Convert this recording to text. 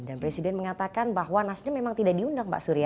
dan presiden mengatakan bahwa nasdem memang tidak diundang